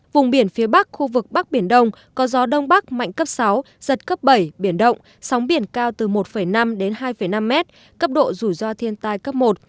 vùng biển phía bắc khu vực bắc biển đông có gió đông bắc mạnh cấp sáu giật cấp bảy biển động sóng biển cao từ một năm đến hai năm m cấp độ rủi ro thiên tai cấp một